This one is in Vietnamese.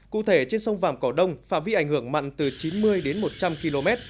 cụ thể trên sông vàm cỏ đông phạm vi ảnh hưởng mặn từ chín mươi đến một trăm linh km